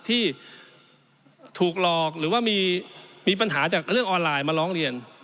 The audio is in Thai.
ที่ถูกหลอกหรือว่ามีปัญหาจากเรื่องออนไลน์มาร้องเรียน